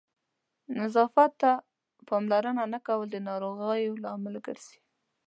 نظافت ته پاملرنه نه کول د ناروغیو لامل کېږي.